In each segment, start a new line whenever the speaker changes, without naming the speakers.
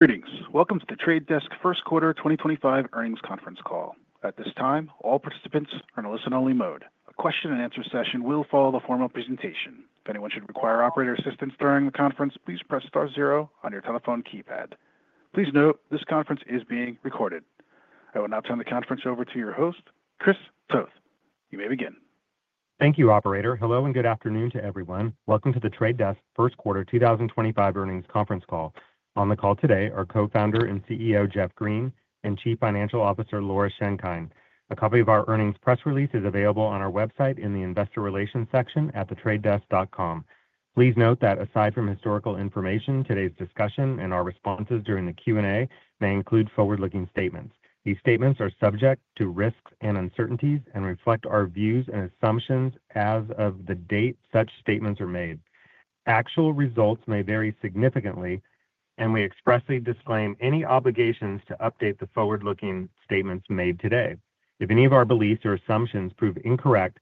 Greetings. Welcome to The Trade Desk First Quarter 2025 Earnings Conference Call. At this time, all participants are in a listen-only mode. A question and answer session will follow the formal presentation. If anyone should require operator assistance during the conference, please press star zero on your telephone keypad. Please note this conference is being recorded. I will now turn the conference over to your host, Chris Toth. You may begin.
Thank you, Operator. Hello and good afternoon to everyone. Welcome to The Trade Desk First Quarter 2025 Earnings Conference Call. On the call today are Co-founder and CEO Jeff Green and Chief Financial Officer Laura Schenkein. A copy of our earnings press release is available on our website in the Investor Relations section at thetradedesk.com. Please note that aside from historical information, today's discussion and our responses during the Q and A may include forward-looking statements. These statements are subject to risks and uncertainties and reflect our views and assumptions as of the date such statements are made. Actual results may vary significantly, and we expressly disclaim any obligations to update the forward-looking statements made today. If any of our beliefs or assumptions prove incorrect,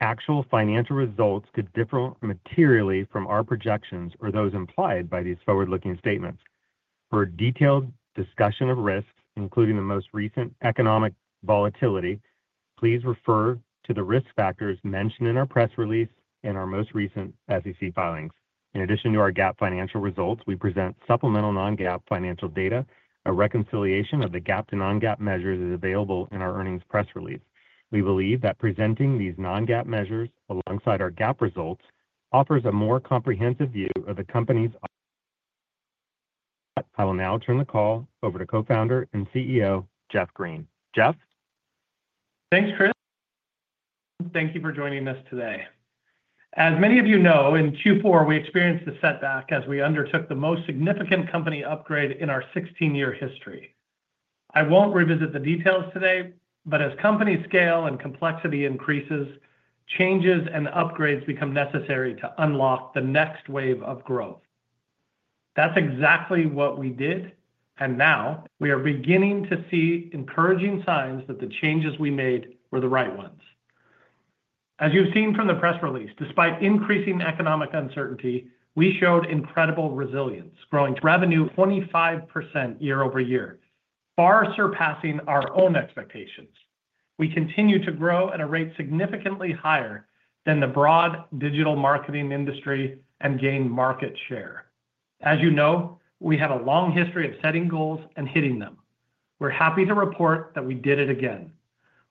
actual financial results could differ materially from our projections or those implied by these forward-looking statements. For a detailed discussion of risks, including the most recent economic volatility, please refer to the risk factors mentioned in our press release and our most recent SEC filings. In addition to our GAAP financial results, we present supplemental non-GAAP financial data. A reconciliation of the GAAP-to-non-GAAP measures is available in our earnings press release. We believe that presenting these non-GAAP measures alongside our GAAP results offers a more comprehensive view of the company's. I will now turn the call over to Co-founder and CEO Jeff Green. Jeff?
Thanks, Chris. Thank you for joining us today. As many of you know, in Q4, we experienced a setback as we undertook the most significant company upgrade in our 16-year history. I won't revisit the details today, but as companies scale and complexity increases, changes and upgrades become necessary to unlock the next wave of growth. That's exactly what we did, and now we are beginning to see encouraging signs that the changes we made were the right ones. As you've seen from the press release, despite increasing economic uncertainty, we showed incredible resilience, growing revenue 25% year over year, far surpassing our own expectations. We continue to grow at a rate significantly higher than the broad digital marketing industry and gain market share. As you know, we have a long history of setting goals and hitting them. We're happy to report that we did it again.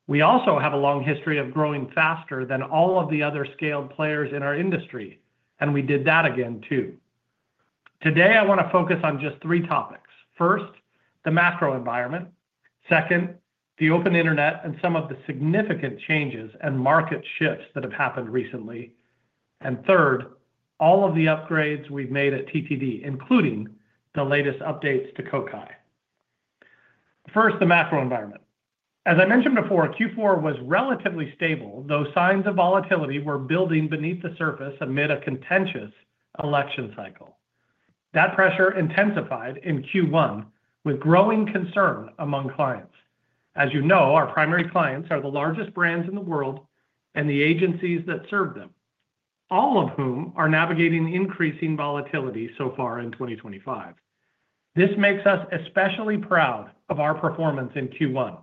We also have a long history of growing faster than all of the other scaled players in our industry, and we did that again too. Today, I want to focus on just three topics. First, the macro environment. Second, the open internet and some of the significant changes and market shifts that have happened recently, and third, all of the upgrades we've made at TTD, including the latest updates to Kokai. First, the macro environment. As I mentioned before, Q4 was relatively stable, though signs of volatility were building beneath the surface amid a contentious election cycle. That pressure intensified in Q1 with growing concern among clients. As you know, our primary clients are the largest brands in the world and the agencies that serve them, all of whom are navigating increasing volatility so far in 2025. This makes us especially proud of our performance in Q1.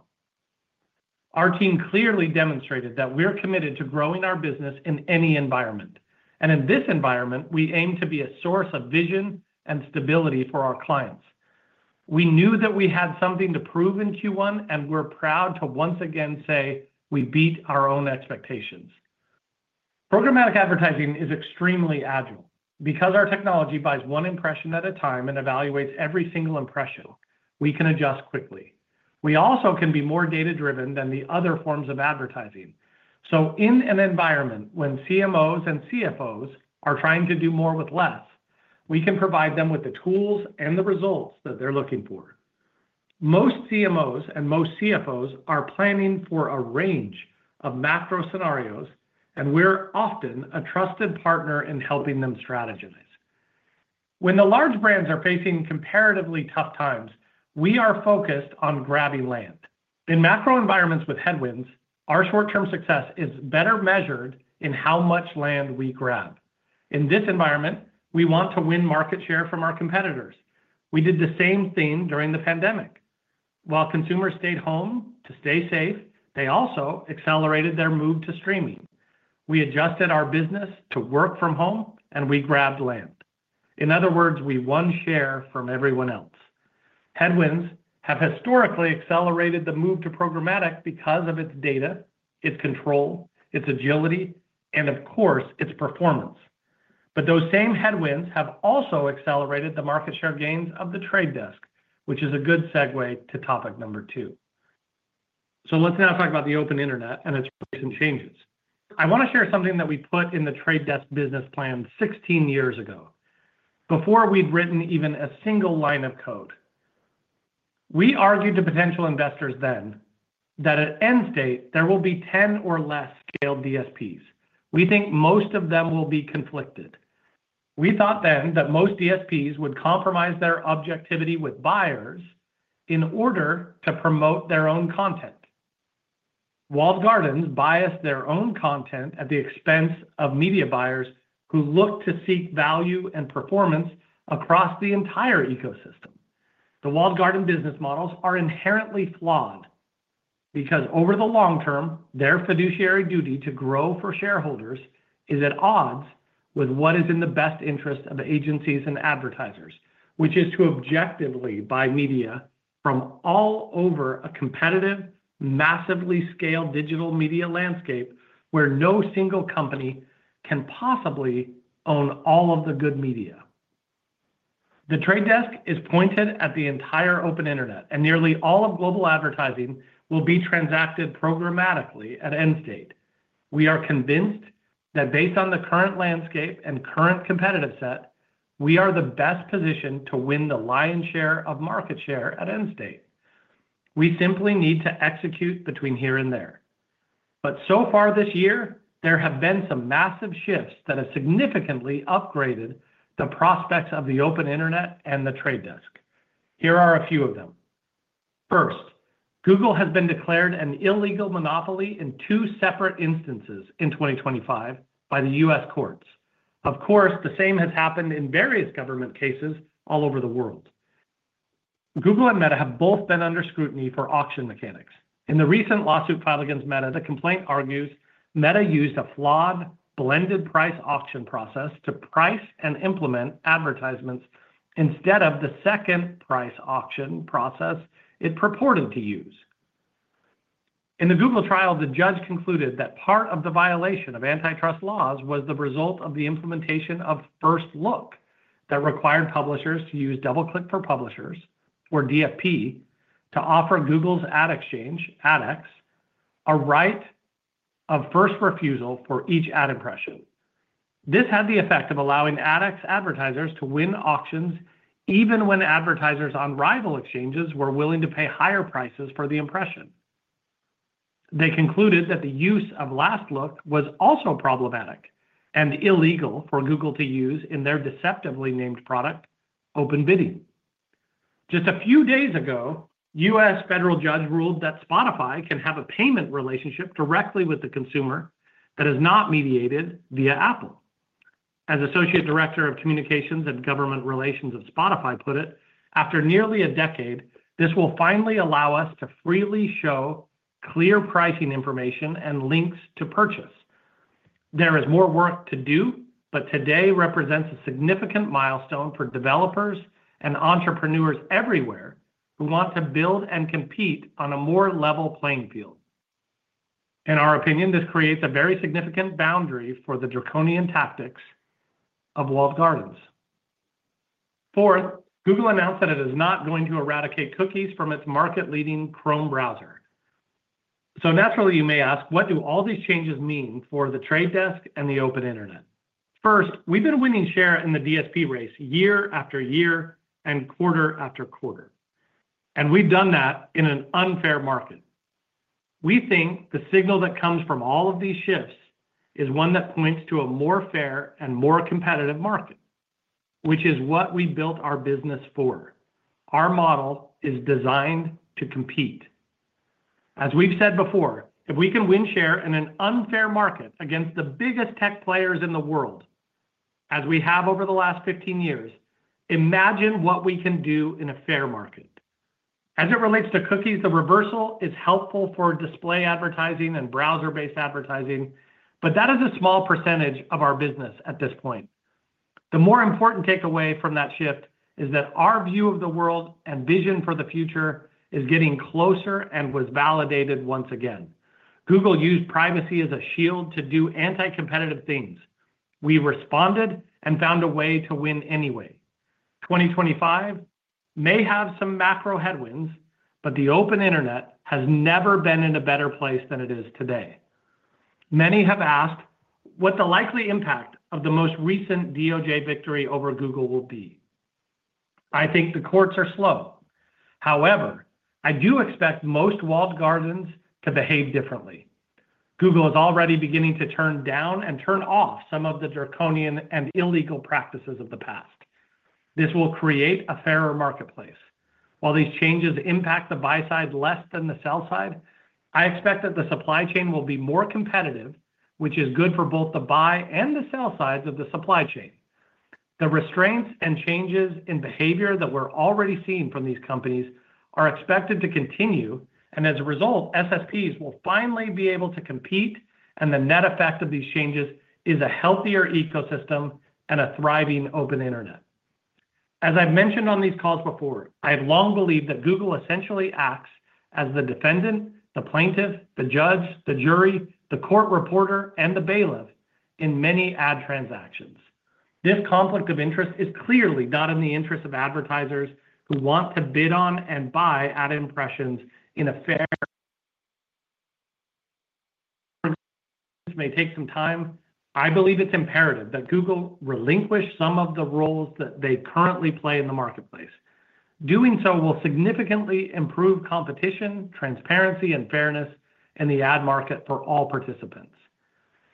Our team clearly demonstrated that we're committed to growing our business in any environment, and in this environment, we aim to be a source of vision and stability for our clients. We knew that we had something to prove in Q1, and we're proud to once again say we beat our own expectations. Programmatic advertising is extremely agile. Because our technology buys one impression at a time and evaluates every single impression, we can adjust quickly. We also can be more data-driven than the other forms of advertising. So in an environment when CMOs and CFOs are trying to do more with less, we can provide them with the tools and the results that they're looking for. Most CMOs and most CFOs are planning for a range of macro scenarios, and we're often a trusted partner in helping them strategize. When the large brands are facing comparatively tough times, we are focused on grabbing land. In macro environments with headwinds, our short-term success is better measured in how much land we grab. In this environment, we want to win market share from our competitors. We did the same thing during the pandemic. While consumers stayed home to stay safe, they also accelerated their move to streaming. We adjusted our business to work from home, and we grabbed land. In other words, we won share from everyone else. Headwinds have historically accelerated the move to programmatic because of its data, its control, its agility, and of course, its performance. But those same headwinds have also accelerated the market share gains of The Trade Desk, which is a good segue to topic number two. So let's now talk about the open internet and its recent changes. I want to share something that we put in The Trade Desk business plan 16 years ago, before we'd written even a single line of code. We argued to potential investors then that at end state, there will be 10 or less scaled DSPs. We think most of them will be conflicted. We thought then that most DSPs would compromise their objectivity with buyers in order to promote their own content. Walled gardens biased their own content at the expense of media buyers who look to seek value and performance across the entire ecosystem. The walled garden business models are inherently flawed because over the long term, their fiduciary duty to grow for shareholders is at odds with what is in the best interest of agencies and advertisers, which is to objectively buy media from all over a competitive, massively scaled digital media landscape where no single company can possibly own all of the good media. The Trade Desk is pointed at the entire open internet, and nearly all of global advertising will be transacted programmatically at end state. We are convinced that based on the current landscape and current competitive set, we are the best position to win the lion's share of market share at end state. We simply need to execute between here and there, but so far this year, there have been some massive shifts that have significantly upgraded the prospects of the open internet and The Trade Desk. Here are a few of them. First, Google has been declared an illegal monopoly in two separate instances in 2025 by the U.S. courts. Of course, the same has happened in various government cases all over the world. Google and Meta have both been under scrutiny for auction mechanics. In the recent lawsuit filed against Meta, the complaint argues Meta used a flawed blended price auction process to price and implement advertisements instead of the second price auction process it purported to use. In the Google trial, the judge concluded that part of the violation of antitrust laws was the result of the implementation of First Look that required publishers to use DoubleClick for Publishers, or DFP, to offer Google's ad exchange, AdX, a right of first refusal for each ad impression. This had the effect of allowing AdX advertisers to win auctions even when advertisers on rival exchanges were willing to pay higher prices for the impression. They concluded that the use of Last Look was also problematic and illegal for Google to use in their deceptively named product, Open Bidding. Just a few days ago, a U.S. federal judge ruled that Spotify can have a payment relationship directly with the consumer that is not mediated via Apple. As Associate Director of Communications and Government Relations of Spotify put it, after nearly a decade, this will finally allow us to freely show clear pricing information and links to purchase. There is more work to do, but today represents a significant milestone for developers and entrepreneurs everywhere who want to build and compete on a more level playing field. In our opinion, this creates a very significant boundary for the draconian tactics of walled gardens. Fourth, Google announced that it is not going to eradicate cookies from its market-leading Chrome browser. So naturally, you may ask, what do all these changes mean for The Trade Desk and the open internet? First, we've been winning share in the DSP race year after year and quarter after quarter, and we've done that in an unfair market. We think the signal that comes from all of these shifts is one that points to a more fair and more competitive market, which is what we built our business for. Our model is designed to compete. As we've said before, if we can win share in an unfair market against the biggest tech players in the world, as we have over the last 15 years, imagine what we can do in a fair market. As it relates to cookies, the reversal is helpful for display advertising and browser-based advertising, but that is a small percentage of our business at this point. The more important takeaway from that shift is that our view of the world and vision for the future is getting closer and was validated once again. Google used privacy as a shield to do anti-competitive things. We responded and found a way to win anyway. 2025 may have some macro headwinds, but the open internet has never been in a better place than it is today. Many have asked what the likely impact of the most recent DOJ victory over Google will be. I think the courts are slow. However, I do expect most walled gardens to behave differently. Google is already beginning to turn down and turn off some of the draconian and illegal practices of the past. This will create a fairer marketplace. While these changes impact the buy side less than the sell side, I expect that the supply chain will be more competitive, which is good for both the buy and the sell sides of the supply chain. The restraints and changes in behavior that we're already seeing from these companies are expected to continue, and as a result, SSPs will finally be able to compete, and the net effect of these changes is a healthier ecosystem and a thriving open internet. As I've mentioned on these calls before, I have long believed that Google essentially acts as the defendant, the plaintiff, the judge, the jury, the court reporter, and the bailiff in many ad transactions. This conflict of interest is clearly not in the interest of advertisers who want to bid on and buy ad impressions in a fair way. This may take some time. I believe it's imperative that Google relinquish some of the roles that they currently play in the marketplace. Doing so will significantly improve competition, transparency, and fairness in the ad market for all participants.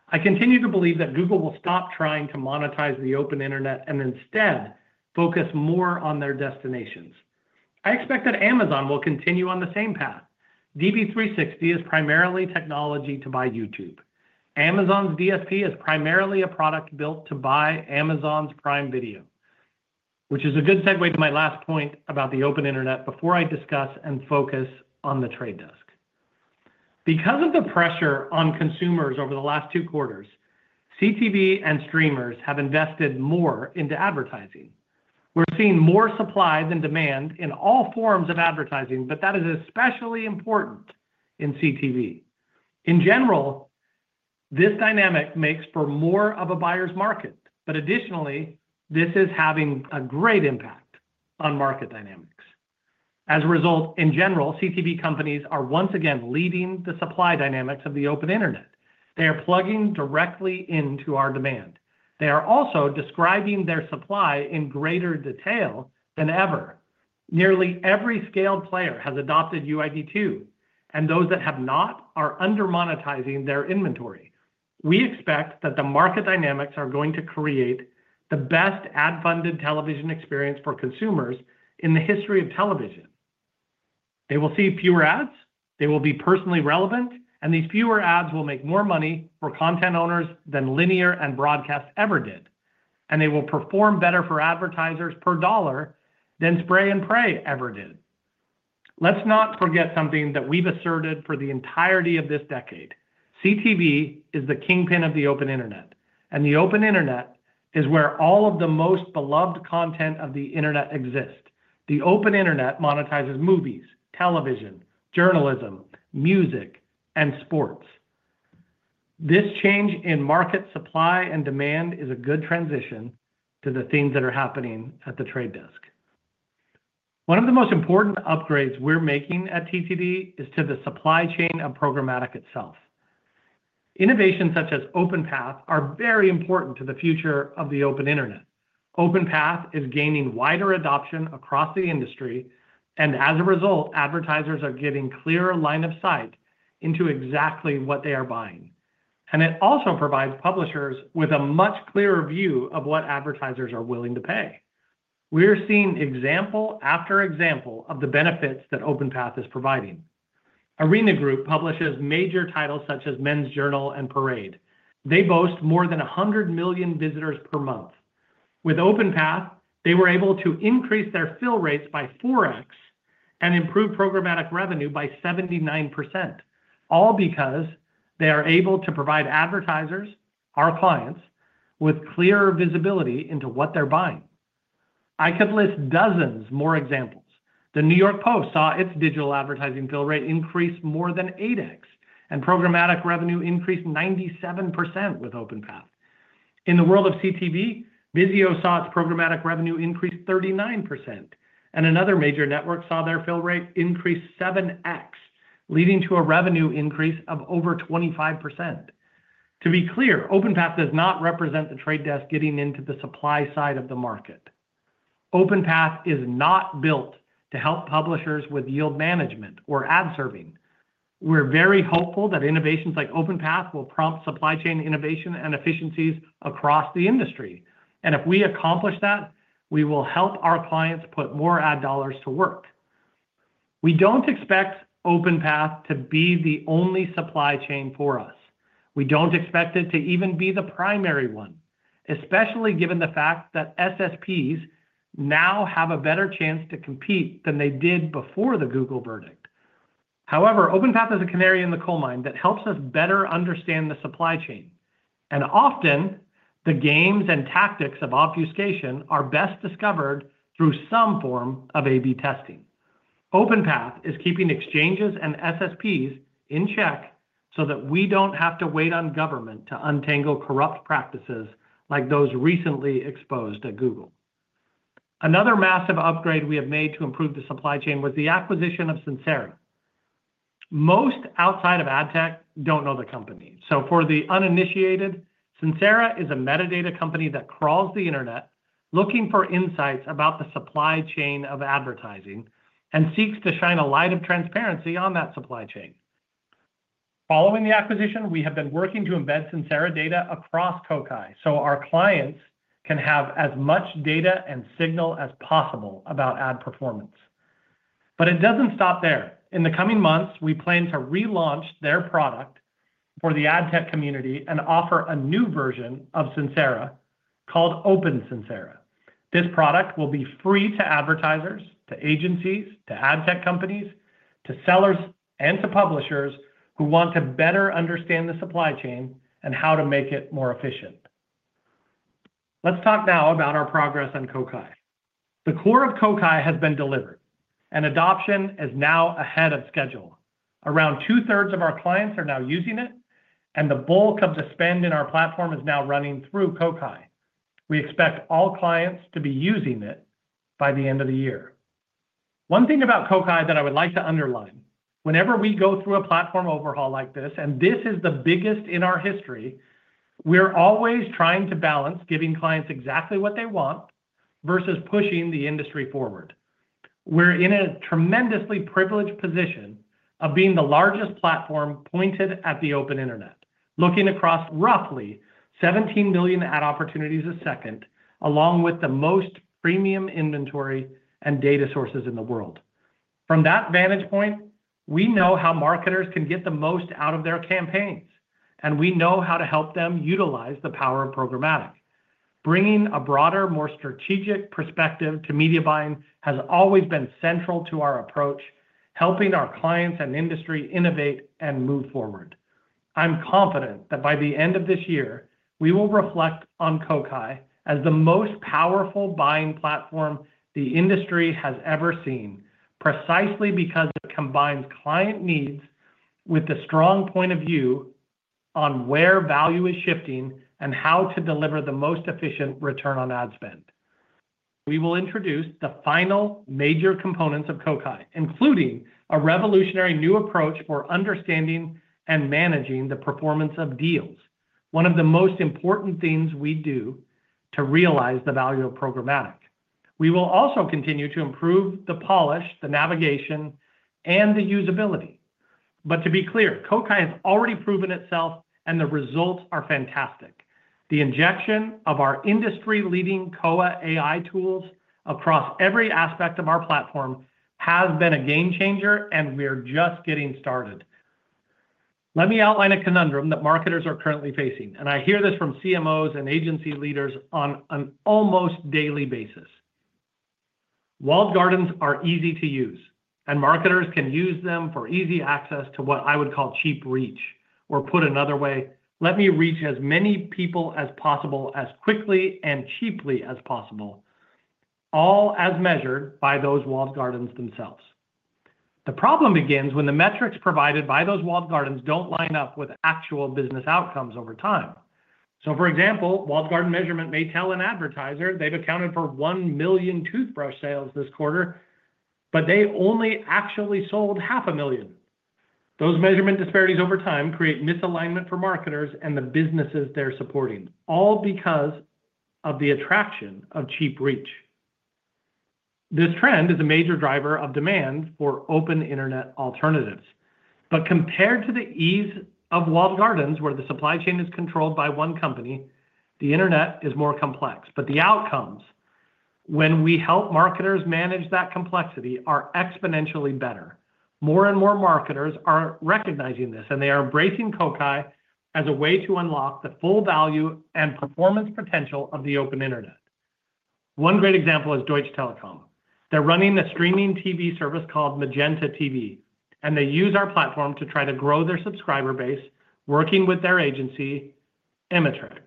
I continue to believe that Google will stop trying to monetize the open internet and instead focus more on their destinations. I expect that Amazon will continue on the same path. DV360 is primarily technology to buy YouTube. Amazon's DSP is primarily a product built to buy Amazon's Prime Video, which is a good segue to my last point about the open internet before I discuss and focus on The Trade Desk. Because of the pressure on consumers over the last two quarters, CTV and streamers have invested more into advertising. We're seeing more supply than demand in all forms of advertising, but that is especially important in CTV. In general, this dynamic makes for more of a buyer's market, but additionally, this is having a great impact on market dynamics. As a result, in general, CTV companies are once again leading the supply dynamics of the open internet. They are plugging directly into our demand. They are also describing their supply in greater detail than ever. Nearly every scaled player has adopted UID2, and those that have not are undermonetizing their inventory. We expect that the market dynamics are going to create the best ad-funded television experience for consumers in the history of television. They will see fewer ads. They will be personally relevant, and these fewer ads will make more money for content owners than linear and broadcast ever did, and they will perform better for advertisers per dollar than spray and pray ever did. Let's not forget something that we've asserted for the entirety of this decade. CTV is the kingpin of the open internet, and the open internet is where all of the most beloved content of the internet exists. The open internet monetizes movies, television, journalism, music, and sports. This change in market supply and demand is a good transition to the things that are happening at The Trade Desk. One of the most important upgrades we're making at TTD is to the supply chain of programmatic itself. Innovations such as OpenPath are very important to the future of the open internet. OpenPath is gaining wider adoption across the industry, and as a result, advertisers are getting clearer line of sight into exactly what they are buying, and it also provides publishers with a much clearer view of what advertisers are willing to pay. We're seeing example after example of the benefits that OpenPath is providing. Arena Group publishes major titles such as Men's Journal and Parade. They boast more than 100 million visitors per month. With OpenPath, they were able to increase their fill rates by 4x and improve programmatic revenue by 79%, all because they are able to provide advertisers, our clients, with clearer visibility into what they're buying. I could list dozens more examples. The New York Post saw its digital advertising fill rate increase more than 8x, and programmatic revenue increased 97% with OpenPath. In the world of CTV, Vizio saw its programmatic revenue increase 39%, and another major network saw their fill rate increase 7x, leading to a revenue increase of over 25%. To be clear, OpenPath does not represent The Trade Desk getting into the supply side of the market. OpenPath is not built to help publishers with yield management or ad serving. We're very hopeful that innovations like OpenPath will prompt supply chain innovation and efficiencies across the industry, and if we accomplish that, we will help our clients put more ad dollars to work. We don't expect OpenPath to be the only supply chain for us. We don't expect it to even be the primary one, especially given the fact that SSPs now have a better chance to compete than they did before the Google verdict. However, OpenPath is a canary in the coal mine that helps us better understand the supply chain, and often, the games and tactics of obfuscation are best discovered through some form of A/B testing. OpenPath is keeping exchanges and SSPs in check so that we don't have to wait on government to untangle corrupt practices like those recently exposed at Google. Another massive upgrade we have made to improve the supply chain was the acquisition of Sincera. Most outside of ad tech don't know the company. So for the uninitiated, Sincera is a metadata company that crawls the internet looking for insights about the supply chain of advertising and seeks to shine a light of transparency on that supply chain. Following the acquisition, we have been working to embed Sincera data across Kokai so our clients can have as much data and signal as possible about ad performance. But it doesn't stop there. In the coming months, we plan to relaunch their product for the ad tech community and offer a new version of Sincera called OpenSincera. This product will be free to advertisers, to agencies, to ad tech companies, to sellers, and to publishers who want to better understand the supply chain and how to make it more efficient. Let's talk now about our progress on Kokai. The core of Kokai has been delivered, and adoption is now ahead of schedule. Around two-thirds of our clients are now using it, and the bulk of the spend in our platform is now running through Kokai. We expect all clients to be using it by the end of the year. One thing about Kokai that I would like to underline, whenever we go through a platform overhaul like this, and this is the biggest in our history, we're always trying to balance giving clients exactly what they want versus pushing the industry forward. We're in a tremendously privileged position of being the largest platform pointed at the open internet, looking across roughly 17 million ad opportunities a second, along with the most premium inventory and data sources in the world. From that vantage point, we know how marketers can get the most out of their campaigns, and we know how to help them utilize the power of programmatic. Bringing a broader, more strategic perspective to media buying has always been central to our approach, helping our clients and industry innovate and move forward. I'm confident that by the end of this year, we will reflect on Kokai as the most powerful buying platform the industry has ever seen, precisely because it combines client needs with the strong point of view on where value is shifting and how to deliver the most efficient return on ad spend. We will introduce the final major components of Kokai, including a revolutionary new approach for understanding and managing the performance of deals, one of the most important things we do to realize the value of programmatic. We will also continue to improve the polish, the navigation, and the usability. But to be clear, Kokai has already proven itself, and the results are fantastic. The injection of our industry-leading Koa AI tools across every aspect of our platform has been a game changer, and we're just getting started. Let me outline a conundrum that marketers are currently facing, and I hear this from CMOs and agency leaders on an almost daily basis. Walled gardens are easy to use, and marketers can use them for easy access to what I would call cheap reach, or put another way, let me reach as many people as possible as quickly and cheaply as possible, all as measured by those walled gardens themselves. The problem begins when the metrics provided by those walled gardens don't line up with actual business outcomes over time. So, for example, walled garden measurement may tell an advertiser they've accounted for 1 million toothbrush sales this quarter, but they only actually sold 500,000. Those measurement disparities over time create misalignment for marketers and the businesses they're supporting, all because of the attraction of cheap reach. This trend is a major driver of demand for open internet alternatives. But compared to the ease of walled gardens, where the supply chain is controlled by one company, the internet is more complex. But the outcomes, when we help marketers manage that complexity, are exponentially better. More and more marketers are recognizing this, and they are embracing Kokai as a way to unlock the full value and performance potential of the open internet. One great example is Deutsche Telekom. They're running a streaming TV service called MagentaTV, and they use our platform to try to grow their subscriber base, working with their agency, Emetriq.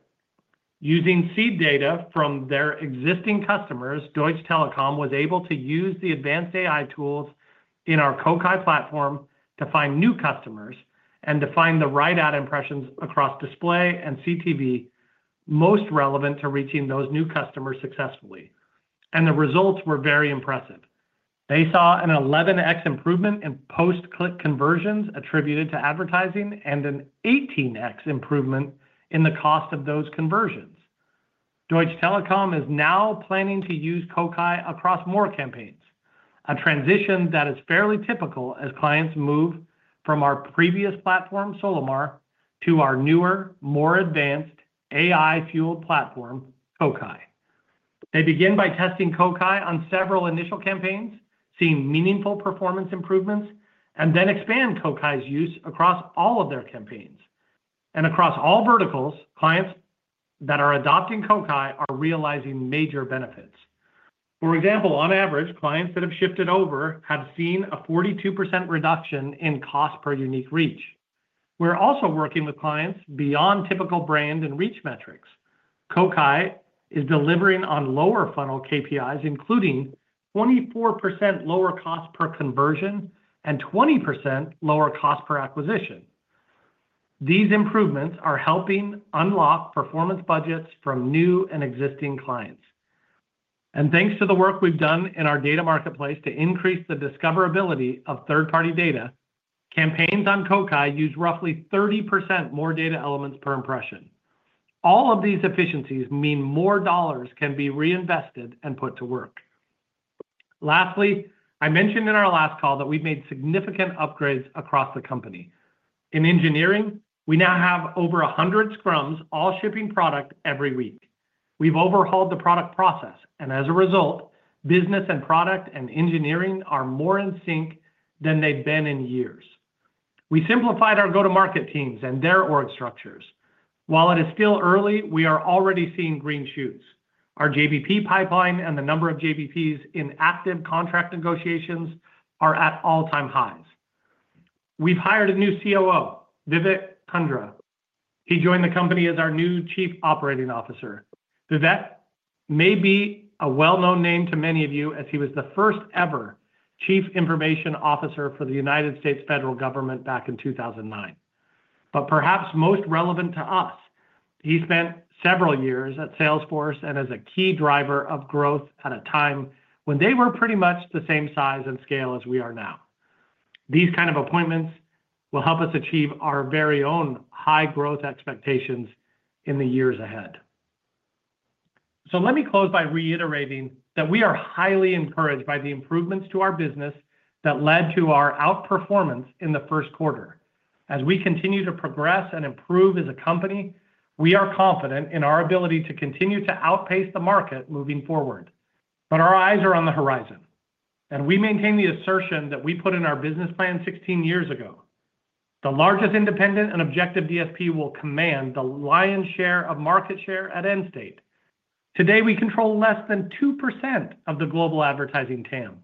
Using seed data from their existing customers, Deutsche Telekom was able to use the advanced AI tools in our Kokai platform to find new customers and to find the right ad impressions across display and CTV most relevant to reaching those new customers successfully. And the results were very impressive. They saw an 11x improvement in post-click conversions attributed to advertising and an 18x improvement in the cost of those conversions. Deutsche Telekom is now planning to use Kokai across more campaigns, a transition that is fairly typical as clients move from our previous platform, Solimar, to our newer, more advanced AI-fueled platform, Kokai. They begin by testing Kokai on several initial campaigns, seeing meaningful performance improvements, and then expand Kokai's use across all of their campaigns. Across all verticals, clients that are adopting Kokai are realizing major benefits. For example, on average, clients that have shifted over have seen a 42% reduction in cost per unique reach. We're also working with clients beyond typical brand and reach metrics. Kokai is delivering on lower funnel KPIs, including 24% lower cost per conversion and 20% lower cost per acquisition. These improvements are helping unlock performance budgets from new and existing clients. Thanks to the work we've done in our data marketplace to increase the discoverability of third-party data, campaigns on Kokai use roughly 30% more data elements per impression. All of these efficiencies mean more dollars can be reinvested and put to work. Lastly, I mentioned in our last call that we've made significant upgrades across the company. In engineering, we now have over 100 scrums all shipping product every week. We've overhauled the product process, and as a result, business and product and engineering are more in sync than they've been in years. We simplified our go-to-market teams and their org structures. While it is still early, we are already seeing green shoots. Our JBP pipeline and the number of JBPs in active contract negotiations are at all-time highs. We've hired a new COO, Vivek Kundra. He joined the company as our new Chief Operating Officer. Vivek may be a well-known name to many of you as he was the first-ever Chief Information Officer for the United States Federal Government back in 2009. But perhaps most relevant to us, he spent several years at Salesforce and as a key driver of growth at a time when they were pretty much the same size and scale as we are now. These kinds of appointments will help us achieve our very own high growth expectations in the years ahead. So let me close by reiterating that we are highly encouraged by the improvements to our business that led to our outperformance in the first quarter. As we continue to progress and improve as a company, we are confident in our ability to continue to outpace the market moving forward. But our eyes are on the horizon, and we maintain the assertion that we put in our business plan 16 years ago. The largest independent and objective DSP will command the lion's share of market share at end state. Today, we control less than 2% of the global advertising TAM,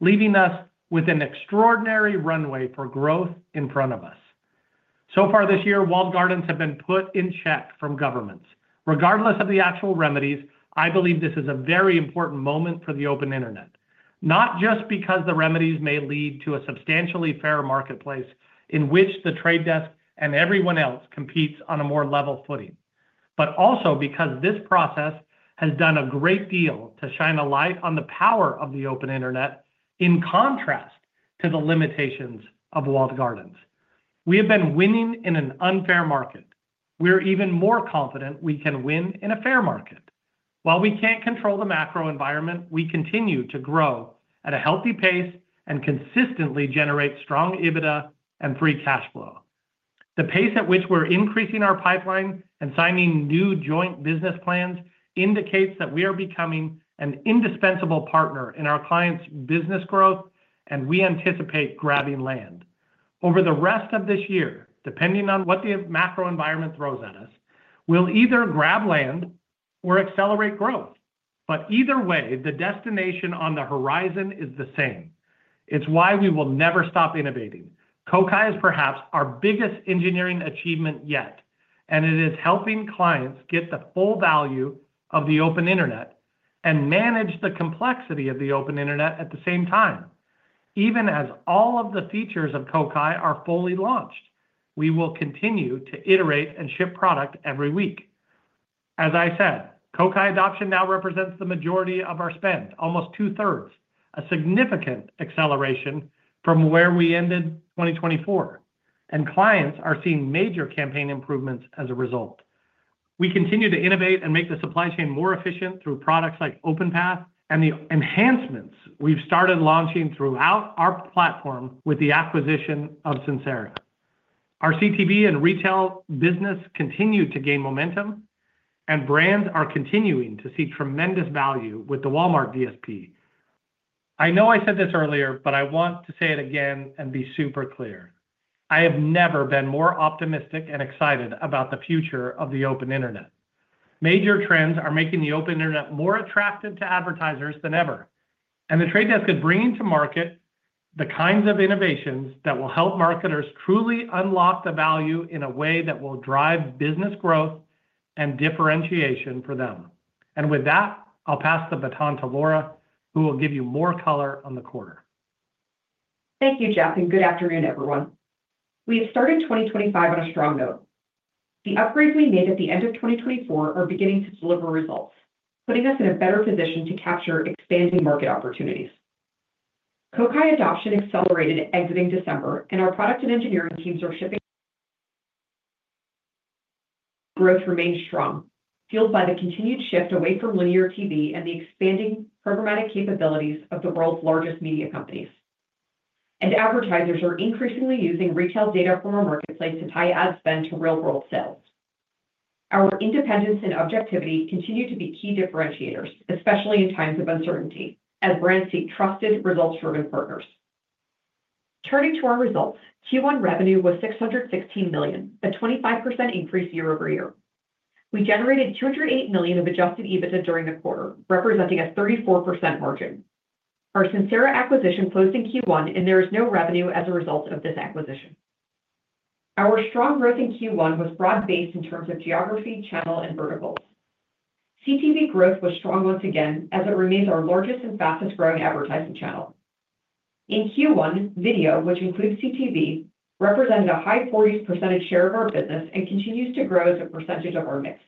leaving us with an extraordinary runway for growth in front of us. So far this year, walled gardens have been put in check from governments. Regardless of the actual remedies, I believe this is a very important moment for the open internet, not just because the remedies may lead to a substantially fairer marketplace in which The Trade Desk and everyone else competes on a more level footing, but also because this process has done a great deal to shine a light on the power of the open internet in contrast to the limitations of walled gardens. We have been winning in an unfair market. We're even more confident we can win in a fair market. While we can't control the macro environment, we continue to grow at a healthy pace and consistently generate strong EBITDA and free cash flow. The pace at which we're increasing our pipeline and signing new joint business plans indicates that we are becoming an indispensable partner in our clients' business growth, and we anticipate grabbing land. Over the rest of this year, depending on what the macro environment throws at us, we'll either grab land or accelerate growth. But either way, the destination on the horizon is the same. It's why we will never stop innovating. Kokai is perhaps our biggest engineering achievement yet, and it is helping clients get the full value of the open internet and manage the complexity of the open internet at the same time. Even as all of the features of Kokai are fully launched, we will continue to iterate and ship product every week. As I said, Kokai adoption now represents the majority of our spend, almost two-thirds, a significant acceleration from where we ended 2024. And clients are seeing major campaign improvements as a result. We continue to innovate and make the supply chain more efficient through products like OpenPath and the enhancements we've started launching throughout our platform with the acquisition of Sincera. Our CTV and retail business continue to gain momentum, and brands are continuing to see tremendous value with the Walmart DSP. I know I said this earlier, but I want to say it again and be super clear. I have never been more optimistic and excited about the future of the open internet. Major trends are making the open internet more attractive to advertisers than ever. The Trade Desk is bringing to market the kinds of innovations that will help marketers truly unlock the value in a way that will drive business growth and differentiation for them. And with that, I'll pass the baton to Laura, who will give you more color on the quarter.
Thank you, Jeff, and good afternoon, everyone. We have started 2025 on a strong note. The upgrades we made at the end of 2024 are beginning to deliver results, putting us in a better position to capture expanding market opportunities. Kokai adoption accelerated exiting December, and our product and engineering teams are shipping. Growth remains strong, fueled by the continued shift away from linear TV and the expanding programmatic capabilities of the world's largest media companies. Advertisers are increasingly using retail data from our marketplace to tie ad spend to real-world sales. Our independence and objectivity continue to be key differentiators, especially in times of uncertainty, as brands seek trusted, results-driven partners. Turning to our results, Q1 revenue was $616 million, a 25% increase year over year. We generated $208 million of Adjusted EBITDA during the quarter, representing a 34% margin. Our Sincera acquisition closed in Q1, and there is no revenue as a result of this acquisition. Our strong growth in Q1 was broad-based in terms of geography, channel, and verticals. CTV growth was strong once again, as it remains our largest and fastest-growing advertising channel. In Q1, video, which includes CTV, represented a high 40% share of our business and continues to grow as a percentage of our mix.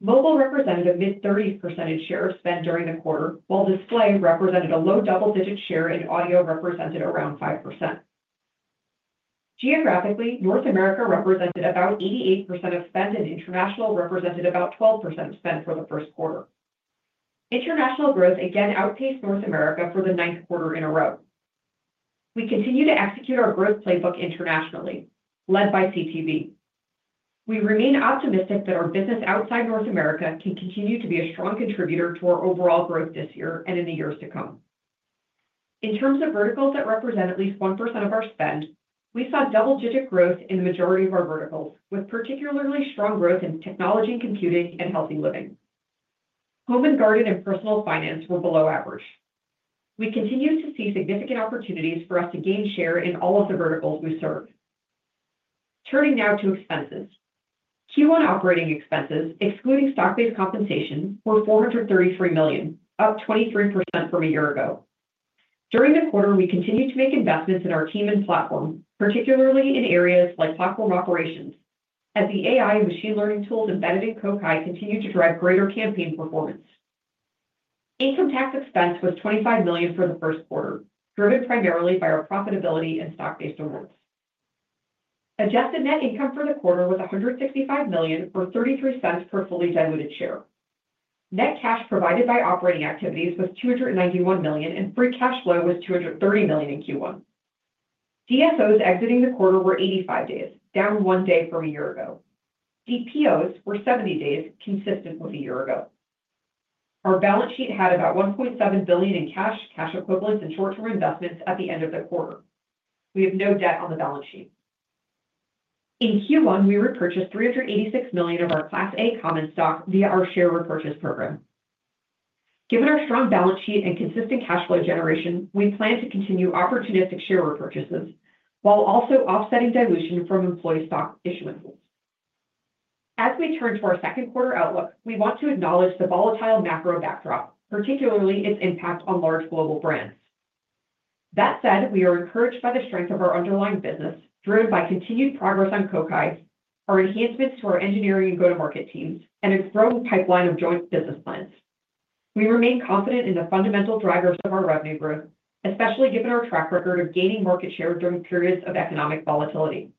Mobile represented a mid-30% share of spend during the quarter, while display represented a low double-digit share, and audio represented around 5%. Geographically, North America represented about 88% of spend, and international represented about 12% of spend for the first quarter. International growth again outpaced North America for the ninth quarter in a row. We continue to execute our growth playbook internationally, led by CTV. We remain optimistic that our business outside North America can continue to be a strong contributor to our overall growth this year and in the years to come. In terms of verticals that represent at least 1% of our spend, we saw double-digit growth in the majority of our verticals, with particularly strong growth in technology, computing, and healthy living. Home and garden and personal finance were below average. We continue to see significant opportunities for us to gain share in all of the verticals we serve. Turning now to expenses. Q1 operating expenses, excluding stock-based compensation, were $433 million, up 23% from a year ago. During the quarter, we continued to make investments in our team and platform, particularly in areas like platform operations, as the AI and machine learning tools embedded in Kokai continue to drive greater campaign performance. Income tax expense was $25 million for the first quarter, driven primarily by our profitability and stock-based awards. Adjusted net income for the quarter was $165 million, or $0.33 per fully diluted share. Net cash provided by operating activities was $291 million, and free cash flow was $230 million in Q1. DSOs exiting the quarter were 85 days, down one day from a year ago. DPOs were 70 days, consistent with a year ago. Our balance sheet had about $1.7 billion in cash, cash equivalents, and short-term investments at the end of the quarter. We have no debt on the balance sheet. In Q1, we repurchased $386 million of our Class A common stock via our share repurchase program. Given our strong balance sheet and consistent cash flow generation, we plan to continue opportunistic share repurchases while also offsetting dilution from employee stock issuances. As we turn to our second quarter outlook, we want to acknowledge the volatile macro backdrop, particularly its impact on large global brands. That said, we are encouraged by the strength of our underlying business, driven by continued progress on Kokai, our enhancements to our engineering and go-to-market teams, and a growing pipeline of joint business plans. We remain confident in the fundamental drivers of our revenue growth, especially given our track record of gaining market share during periods of economic volatility.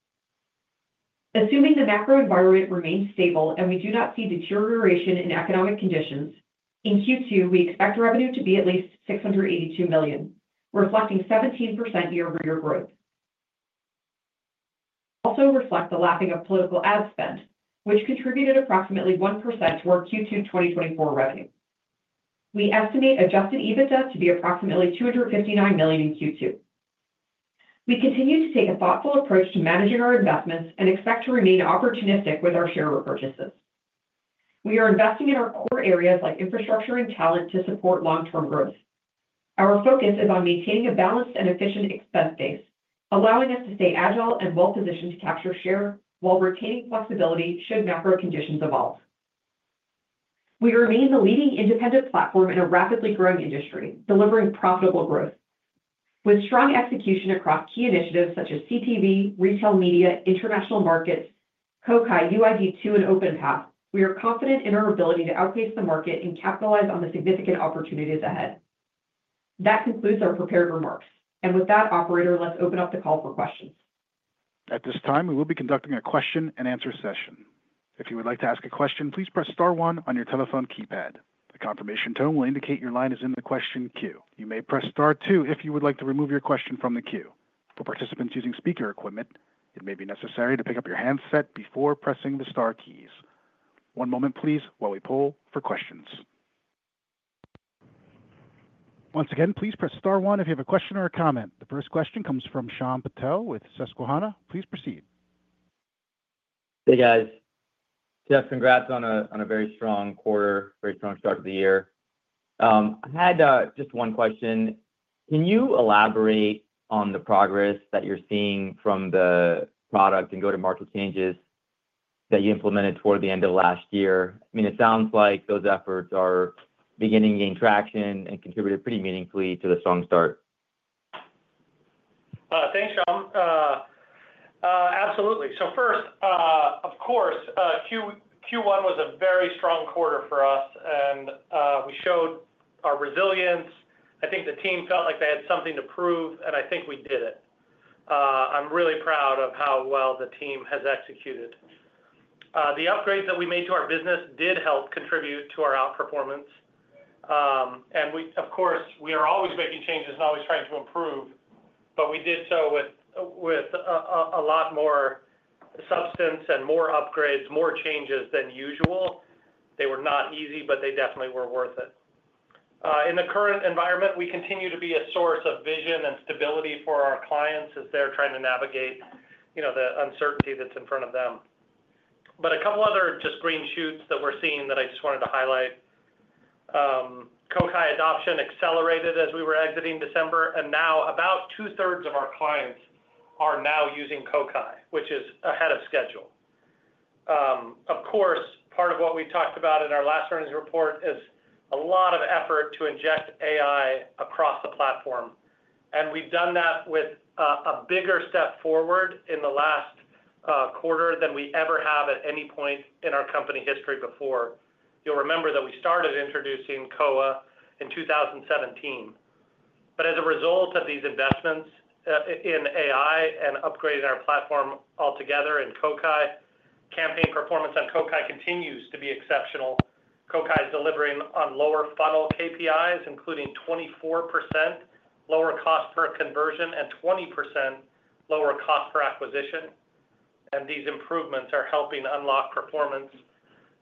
Assuming the macro environment remains stable and we do not see deterioration in economic conditions, in Q2, we expect revenue to be at least $682 million, reflecting 17% year-over-year growth. Also reflect the lapping of political ad spend, which contributed approximately 1% to our Q2 2024 revenue. We estimate Adjusted EBITDA to be approximately $259 million in Q2. We continue to take a thoughtful approach to managing our investments and expect to remain opportunistic with our share repurchases. We are investing in our core areas like infrastructure and talent to support long-term growth. Our focus is on maintaining a balanced and efficient expense base, allowing us to stay agile and well-positioned to capture share while retaining flexibility should macro conditions evolve. We remain the leading independent platform in a rapidly growing industry, delivering profitable growth. With strong execution across key initiatives such as CTV, retail media, international markets, Kokai, UID2, and OpenPath, we are confident in our ability to outpace the market and capitalize on the significant opportunities ahead. That concludes our prepared remarks. And with that, operator, let's open up the call for questions.
At this time, we will be conducting a question and answer session. If you would like to ask a question, please press star one on your telephone keypad. The confirmation tone will indicate your line is in the question queue. You may press star two if you would like to remove your question from the queue. For participants using speaker equipment, it may be necessary to pick up your handset before pressing the star keys. One moment, please, while we pull for questions. Once again, please press star one if you have a question or a comment. The first question comes from Shyam Patil with Susquehanna. Please proceed.
Hey, guys. Jeff, congrats on a very strong quarter, very strong start to the year. I had just one question. Can you elaborate on the progress that you're seeing from the product and go-to-market changes that you implemented toward the end of last year? I mean, it sounds like those efforts are beginning to gain traction and contributed pretty meaningfully to the strong start.
Thanks, Shyam. Absolutely, so first, of course, Q1 was a very strong quarter for us, and we showed our resilience. I think the team felt like they had something to prove, and I think we did it. I'm really proud of how well the team has executed. The upgrades that we made to our business did help contribute to our outperformance. We, of course, we are always making changes and always trying to improve, but we did so with a lot more substance and more upgrades, more changes than usual. They were not easy, but they definitely were worth it. In the current environment, we continue to be a source of vision and stability for our clients as they're trying to navigate the uncertainty that's in front of them. A couple of other just green shoots that we're seeing that I just wanted to highlight. Kokai adoption accelerated as we were exiting December, and now about two-thirds of our clients are now using Kokai, which is ahead of schedule. Of course, part of what we talked about in our last earnings report is a lot of effort to inject AI across the platform. We've done that with a bigger step forward in the last quarter than we ever have at any point in our company history before. You'll remember that we started introducing Koa in 2017. As a result of these investments in AI and upgrading our platform altogether in Kokai, campaign performance on Kokai continues to be exceptional. Kokai is delivering on lower funnel KPIs, including 24% lower cost per conversion and 20% lower cost per acquisition. These improvements are helping unlock performance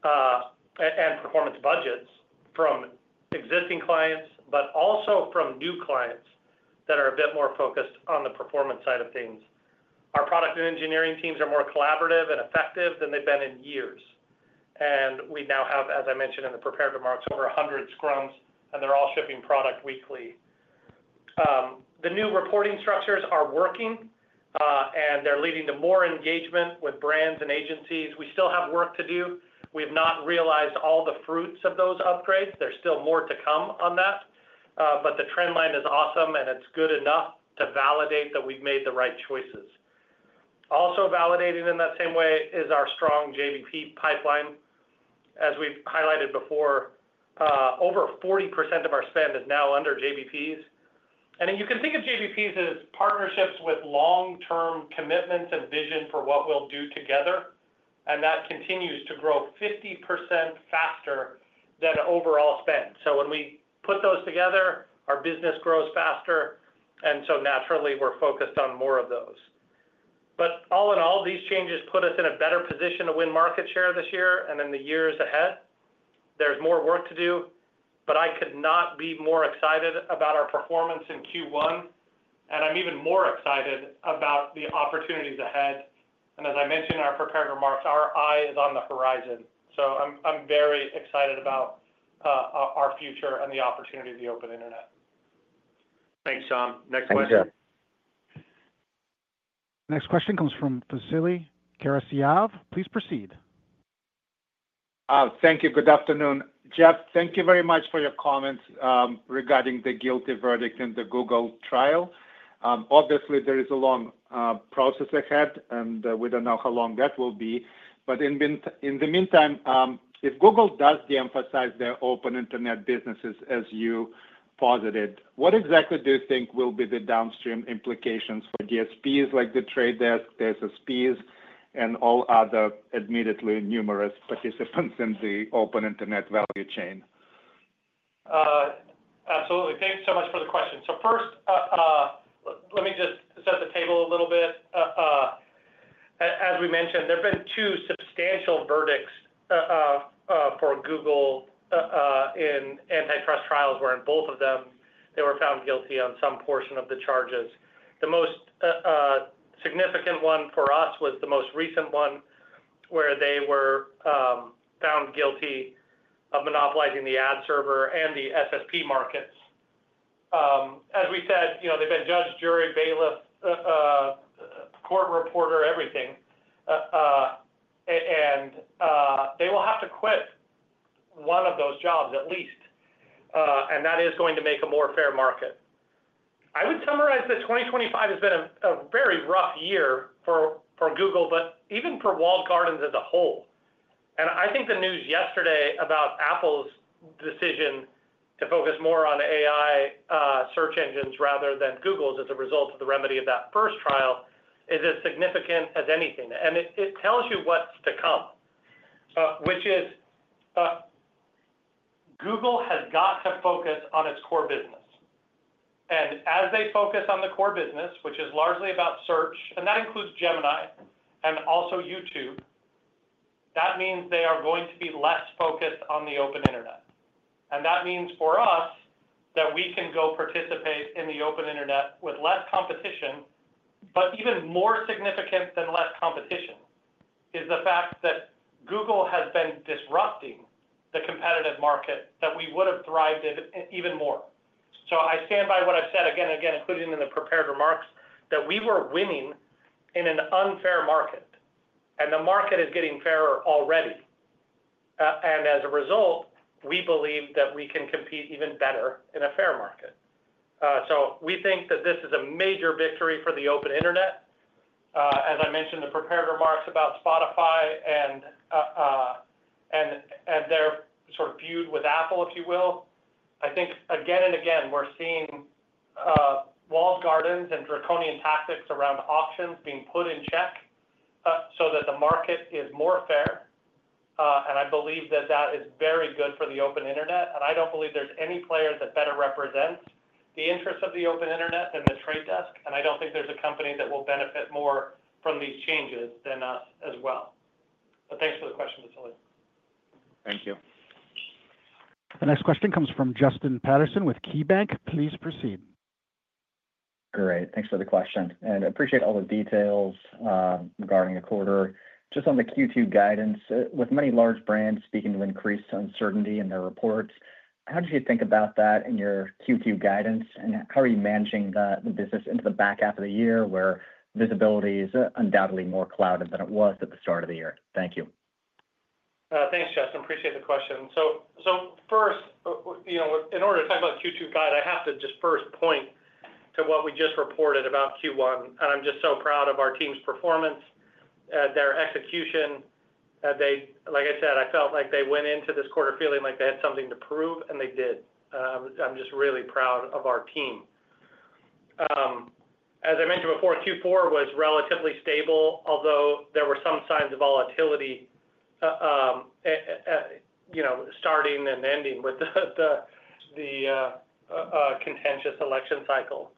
and performance budgets from existing clients, but also from new clients that are a bit more focused on the performance side of things. Our product and engineering teams are more collaborative and effective than they've been in years. We now have, as I mentioned in the prepared remarks, over 100 scrums, and they're all shipping product weekly. The new reporting structures are working, and they're leading to more engagement with brands and agencies. We still have work to do. We have not realized all the fruits of those upgrades. There's still more to come on that, but the trend line is awesome, and it's good enough to validate that we've made the right choices. Also validating in that same way is our strong JBP pipeline. As we've highlighted before, over 40% of our spend is now under JBPs, and you can think of JBPs as partnerships with long-term commitments and vision for what we'll do together, and that continues to grow 50% faster than overall spend, so when we put those together, our business grows faster, and so naturally, we're focused on more of those. But all in all, these changes put us in a better position to win market share this year and in the years ahead. There's more work to do, but I could not be more excited about our performance in Q1. And I'm even more excited about the opportunities ahead. And as I mentioned in our prepared remarks, our eye is on the horizon. So I'm very excited about our future and the opportunity of the open internet.
Thanks, Sean. Next question.
Thank you, Jeff.
Next question comes from Vasily Karasyov. Please proceed.
Thank you. Good afternoon. Jeff, thank you very much for your comments regarding the guilty verdict and the Google trial. Obviously, there is a long process ahead, and we don't know how long that will be. But in the meantime, if Google does de-emphasize their open internet businesses, as you posited, what exactly do you think will be the downstream implications for DSPs like The Trade Desk, the SSPs, and all other admittedly numerous participants in the open internet value chain?
Absolutely. Thank you so much for the question. So first, let me just set the table a little bit. As we mentioned, there have been two substantial verdicts for Google in antitrust trials where in both of them, they were found guilty on some portion of the charges. The most significant one for us was the most recent one where they were found guilty of monopolizing the ad server and the SSP markets. As we said, they've been judge, jury, bailiff, court reporter, everything. And they will have to quit one of those jobs at least. And that is going to make a more fair market. I would summarize that 2025 has been a very rough year for Google, but even for walled gardens as a whole. And I think the news yesterday about Apple's decision to focus more on AI search engines rather than Google's as a result of the remedy of that first trial is as significant as anything. And it tells you what's to come, which is Google has got to focus on its core business. And as they focus on the core business, which is largely about search, and that includes Gemini and also YouTube, that means they are going to be less focused on the open internet. And that means for us that we can go participate in the open internet with less competition, but even more significant than less competition is the fact that Google has been disrupting the competitive market that we would have thrived even more. So I stand by what I've said again and again, including in the prepared remarks, that we were winning in an unfair market. And the market is getting fairer already. And as a result, we believe that we can compete even better in a fair market. So we think that this is a major victory for the open internet. As I mentioned in the prepared remarks about Spotify and their sort of feud with Apple, if you will, I think again and again, we're seeing walled gardens and draconian tactics around auctions being put in check so that the market is more fair. And I believe that that is very good for the open internet. And I don't believe there's any player that better represents the interests of the open internet than The Trade Desk. And I don't think there's a company that will benefit more from these changes than us as well. But thanks for the question, Vasily.
Thank you.
The next question comes from Justin Patterson with KeyBanc. Please proceed.
Great. Thanks for the question. And I appreciate all the details regarding the quarter. Just on the Q2 guidance, with many large brands speaking of increased uncertainty in their reports, how did you think about that in your Q2 guidance? And how are you managing the business into the back half of the year where visibility is undoubtedly more clouded than it was at the start of the year? Thank you.
Thanks, Justin. I appreciate the question. So first, in order to talk about Q2 guide, I have to just first point to what we just reported about Q1. And I'm just so proud of our team's performance, their execution. Like I said, I felt like they went into this quarter feeling like they had something to prove, and they did. I'm just really proud of our team. As I mentioned before, Q4 was relatively stable, although there were some signs of volatility starting and ending with the contentious election cycle.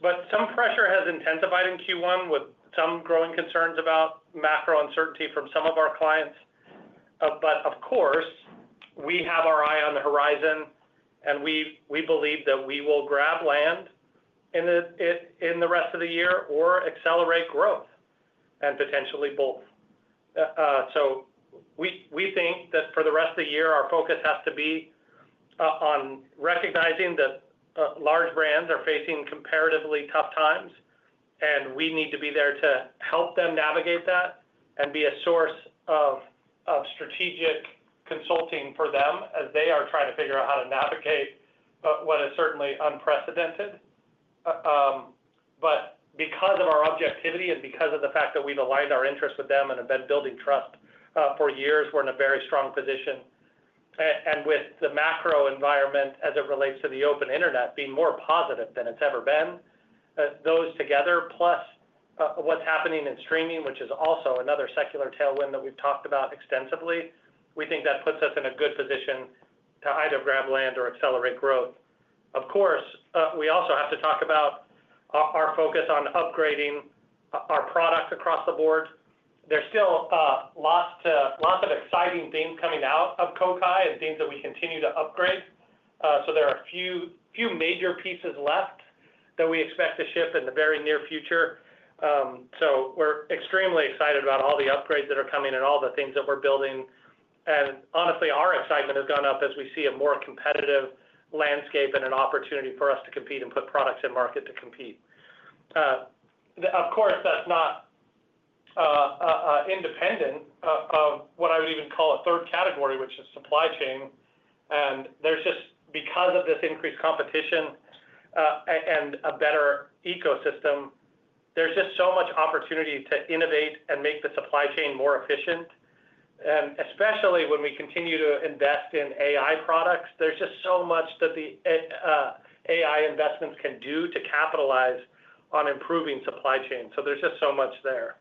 But some pressure has intensified in Q1 with some growing concerns about macro uncertainty from some of our clients. But of course, we have our eye on the horizon, and we believe that we will grab land in the rest of the year or accelerate growth and potentially both. So we think that for the rest of the year, our focus has to be on recognizing that large brands are facing comparatively tough times, and we need to be there to help them navigate that and be a source of strategic consulting for them as they are trying to figure out how to navigate what is certainly unprecedented. But because of our objectivity and because of the fact that we've aligned our interests with them and have been building trust for years, we're in a very strong position. And with the macro environment as it relates to the open internet being more positive than it's ever been, those together, plus what's happening in streaming, which is also another secular tailwind that we've talked about extensively, we think that puts us in a good position to either grab land or accelerate growth. Of course, we also have to talk about our focus on upgrading our product across the board. There's still lots of exciting things coming out of Kokai and things that we continue to upgrade. So there are a few major pieces left that we expect to ship in the very near future. So we're extremely excited about all the upgrades that are coming and all the things that we're building. And honestly, our excitement has gone up as we see a more competitive landscape and an opportunity for us to compete and put products in market to compete. Of course, that's not independent of what I would even call a third category, which is supply chain. And because of this increased competition and a better ecosystem, there's just so much opportunity to innovate and make the supply chain more efficient. And especially when we continue to invest in AI products, there's just so much that the AI investments can do to capitalize on improving supply chain. So there's just so much there.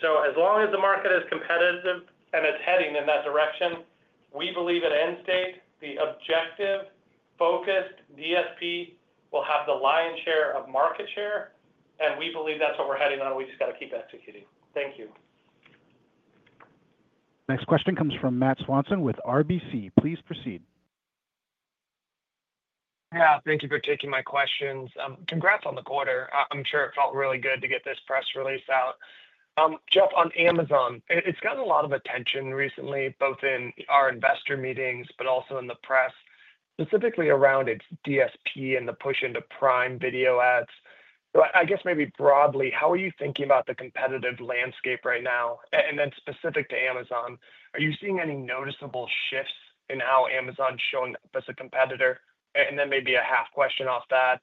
So as long as the market is competitive and it's heading in that direction, we believe at The Trade Desk, the objective-focused DSP will have the lion's share of market share. And we believe that's what we're heading on. We just got to keep executing. Thank you.
Next question comes from Matt Swanson with RBC. Please proceed.
Yeah. Thank you for taking my questions. Congrats on the quarter. I'm sure it felt really good to get this press release out. Jeff, on Amazon, it's gotten a lot of attention recently, both in our investor meetings, but also in the press, specifically around its DSP and the push into Prime Video ads. So I guess maybe broadly, how are you thinking about the competitive landscape right now? And then specific to Amazon, are you seeing any noticeable shifts in how Amazon's showing up as a competitor? And then maybe a half question off that.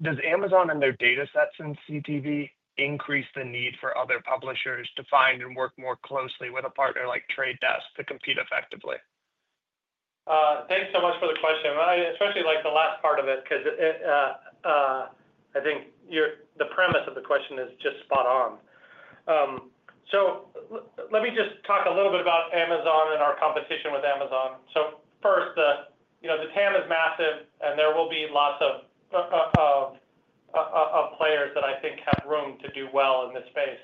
Does Amazon and their data sets in CTV increase the need for other publishers to find and work more closely with a partner like The Trade Desk to compete effectively?
Thanks so much for the question. I especially like the last part of it because I think the premise of the question is just spot on. So let me just talk a little bit about Amazon and our competition with Amazon. So first, the TAM is massive, and there will be lots of players that I think have room to do well in this space.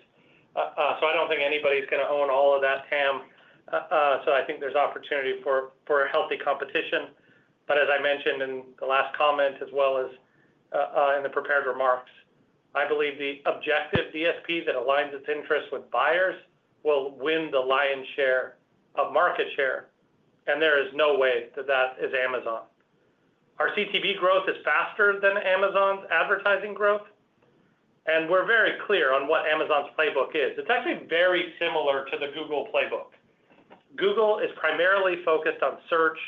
So I don't think anybody's going to own all of that TAM. So I think there's opportunity for healthy competition. But as I mentioned in the last comment as well as in the prepared remarks, I believe the objective DSP that aligns its interests with buyers will win the lion's share of market share. And there is no way that that is Amazon. Our CTV growth is faster than Amazon's advertising growth. And we're very clear on what Amazon's playbook is. It's actually very similar to the Google playbook. Google is primarily focused on Search,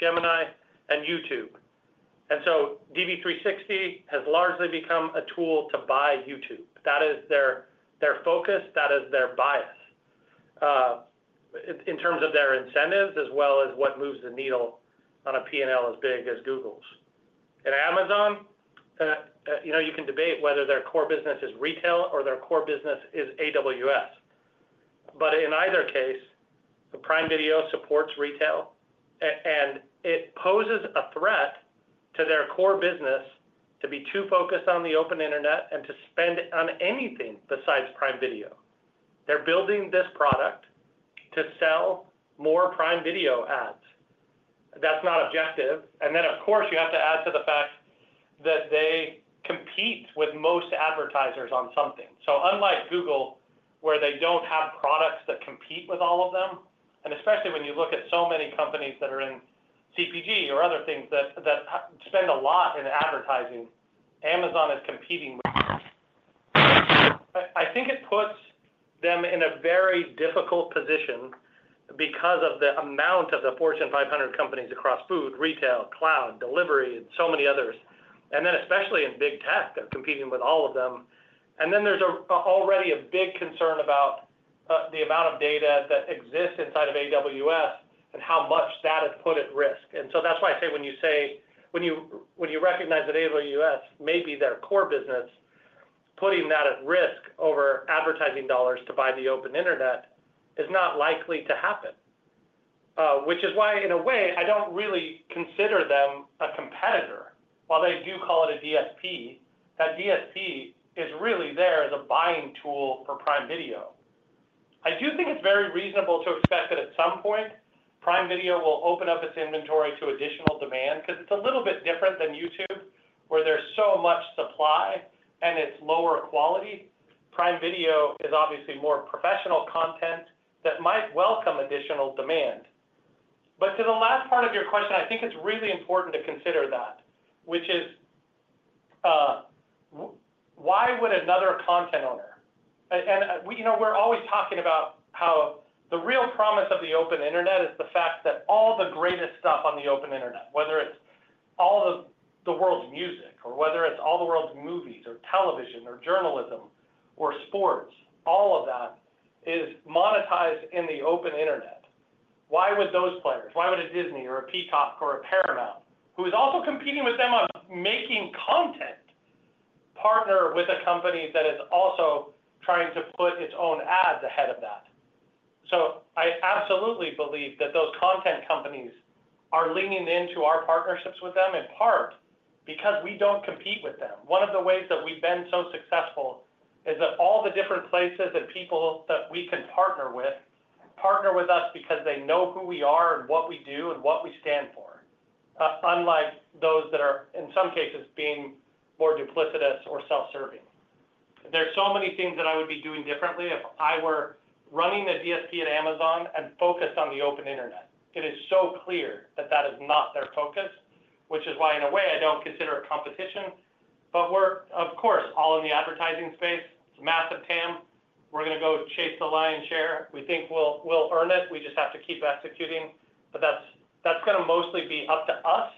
Gemini and YouTube. And so DV360 has largely become a tool to buy YouTube. That is their focus. That is their bias in terms of their incentives as well as what moves the needle on a P&L as big as Google's. And Amazon, you can debate whether their core business is retail or their core business is AWS. But in either case, the Prime Video supports retail, and it poses a threat to their core business to be too focused on the open internet and to spend on anything besides Prime Video. They're building this product to sell more Prime Video ads. That's not objective. And then, of course, you have to add to the fact that they compete with most advertisers on something. So unlike Google, where they don't have products that compete with all of them, and especially when you look at so many companies that are in CPG or other things that spend a lot in advertising, Amazon is competing with them. I think it puts them in a very difficult position because of the amount of the Fortune 500 companies across food, retail, cloud, delivery, and so many others. And then especially in big tech, they're competing with all of them. And then there's already a big concern about the amount of data that exists inside of AWS and how much that has put at risk. And so that's why I say when you recognize that AWS, maybe their core business, putting that at risk over advertising dollars to buy the open internet is not likely to happen, which is why, in a way, I don't really consider them a competitor. While they do call it a DSP, that DSP is really there as a buying tool for Prime Video. I do think it's very reasonable to expect that at some point, Prime Video will open up its inventory to additional demand because it's a little bit different than YouTube, where there's so much supply and it's lower quality. Prime Video is obviously more professional content that might welcome additional demand. But to the last part of your question, I think it's really important to consider that, which is why would another content owner, and we're always talking about how the real promise of the open internet is the fact that all the greatest stuff on the open internet, whether it's all the world's music or whether it's all the world's movies or television or journalism or sports, all of that is monetized in the open internet. Why would those players, why would a Disney or a Peacock or a Paramount, who is also competing with them on making content, partner with a company that is also trying to put its own ads ahead of that? So I absolutely believe that those content companies are leaning into our partnerships with them in part because we don't compete with them. One of the ways that we've been so successful is that all the different places and people that we can partner with partner with us because they know who we are and what we do and what we stand for, unlike those that are, in some cases, being more duplicitous or self-serving. There are so many things that I would be doing differently if I were running a DSP at Amazon and focused on the open internet. It is so clear that that is not their focus, which is why, in a way, I don't consider it competition. But we're, of course, all in the advertising space. It's a massive TAM. We're going to go chase the lion's share. We think we'll earn it. We just have to keep executing. But that's going to mostly be up to us